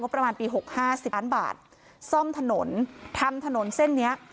ว่าประมาณปี๖๕๐ล้านบาทซ่อมถนนทำถนนเส้นนี้